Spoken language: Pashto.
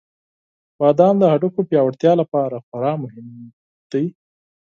• بادام د هډوکو پیاوړتیا لپاره خورا مهم دی.